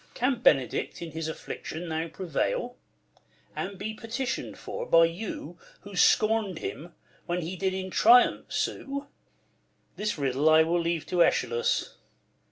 Can Benedick in his affliction now Prevail ; and be petition'd for by you Who scorn'd him when he did in triumph sue 1 This riddle I will leave to Eschalus.